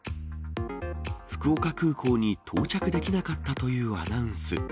福岡空港に到着できなかったというアナウンス。